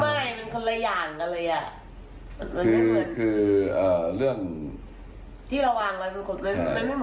เรื่องที่เราวางกับก็นี่ครับมึงเหมือนที่เราไหว